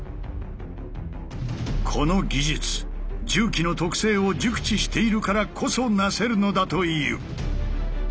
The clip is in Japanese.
この技術重機の特性を熟知しているからこそなせるのだという。